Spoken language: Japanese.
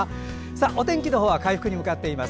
お天気は回復に向かっています。